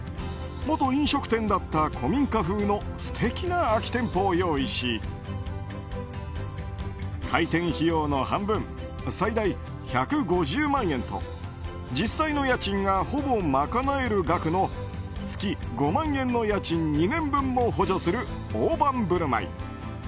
元飲食店だった古民家風の素敵な空き店舗を用意し開店費用の半分最大１５０万円と実際の家賃がほぼ賄える額の月５万円の家賃２年分も補助する大盤振る舞い。